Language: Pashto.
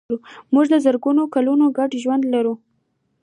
موږ د زرګونو کلونو ګډ ژوند لرو.